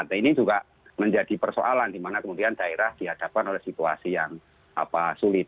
nah ini juga menjadi persoalan di mana kemudian daerah dihadapkan oleh situasi yang sulit